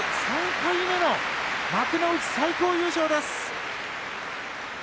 ３回目の幕内最高優勝です。